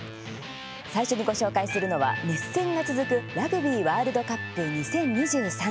最初に、ご紹介するのは熱戦が続く「ラグビーワールドカップ２０２３」。